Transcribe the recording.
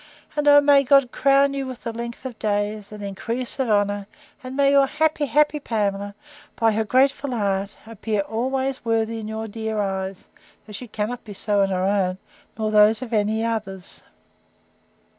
And oh, may God crown you with length of days, and increase of honour; and may your happy, happy Pamela, by her grateful heart, appear always worthy in your dear eyes, though she cannot be so in her own, nor in those of any others!